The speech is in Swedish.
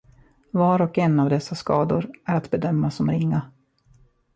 Var och en av dessa skador är att bedöma som ringa.